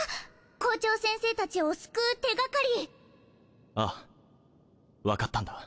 校長先生たちを救う手がかりああ分かったんだ